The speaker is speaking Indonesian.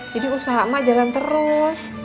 jadi usaha emak jalan terus